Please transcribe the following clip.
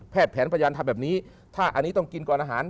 แผนพยานทำแบบนี้ถ้าอันนี้ต้องกินก่อนอาหาร